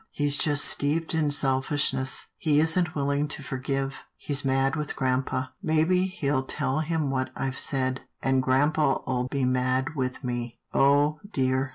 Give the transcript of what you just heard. " He's just steeped in selfishness. He isn't willing to forgive — he's mad with grampa, maybe he'll tell him what I've said, and grampa'll be mad with me — oh, dear